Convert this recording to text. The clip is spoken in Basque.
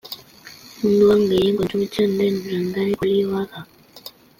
Munduan gehien kontsumitzen den landare olioa da.